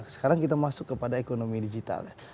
sekarang kita masuk kepada ekonomi digital ya